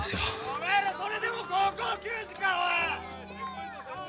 お前らそれでも高校球児かおい！